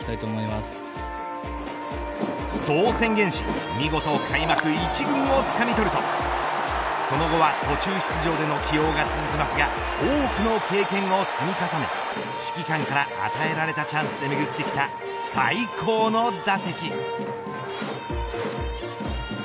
そう宣言し見事開幕一軍をつかみ取るとその後は途中出場での起用が続きますが多くの経験を積み重ね指揮官から与えられたチャンスでめぐってきた最高の打席。